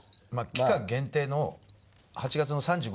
期間限定の８月の３５周年のね